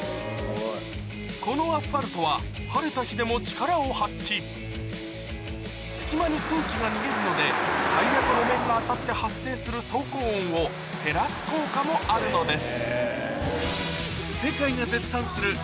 このアスファルトは晴れた日でも力を発揮隙間に空気が逃げるのでタイヤと路面が当たって発生する走行音を減らす効果もあるのです